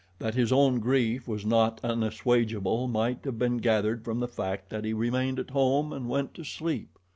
That his own grief was not unassuagable might have been gathered from the fact that he remained at home and went to sleep.